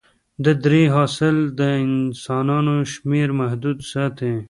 د درې حاصل د انسانانو شمېر محدود ساتي.